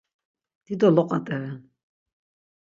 Dido loqat̆eren.